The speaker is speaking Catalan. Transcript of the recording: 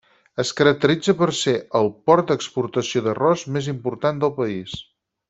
Es caracteritza per ser el port d'exportació d'arròs més important del país.